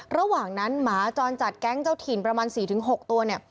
ระหว่างนั้นหมาจรจัดแก๊งเจ้าถิ่นประมาณ๔๖ตัวเนี่ย